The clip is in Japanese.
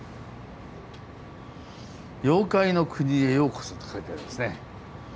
「妖怪の国へようこそ」って書いてありますね。